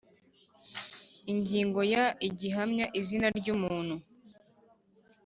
Ingingo ya Igihamya izina ry umuntu